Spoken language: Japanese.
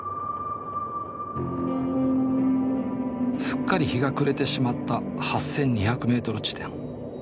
すっかり日が暮れてしまった８２００ｍ地点。